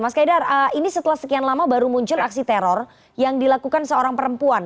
mas kaidar ini setelah sekian lama baru muncul aksi teror yang dilakukan seorang perempuan